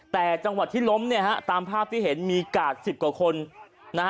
แต่จังหวัดที่ล้มเนี่ยฮะตามภาพที่เห็นมีกาดสิบกว่าคนนะฮะ